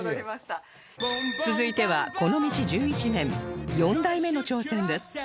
続いてはこの道１１年４代目の挑戦です